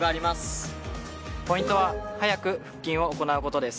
ポイントは早く腹筋を行うことです。